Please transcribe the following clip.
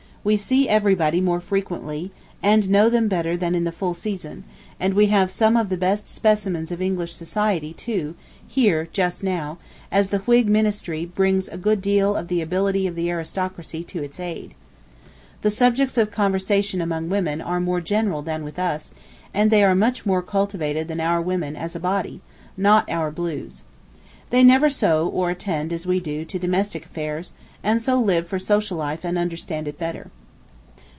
We see everybody more frequently, and know them better than in the full season, and we have some of the best specimens of English society, too, here just now, as the Whig ministry brings a good deal of the ability of the aristocracy to its aid. The subjects of conversation among women are more general than with us, and [they] are much more cultivated than our women as a body, not our blues. They never sew, or attend, as we do, to domestic affairs, and so live for social life and understand it better.